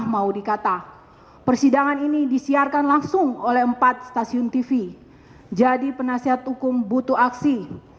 mau dikata persidangan ini disiarkan langsung oleh empat stasiun tv jadi penasihat hukum butuh aksi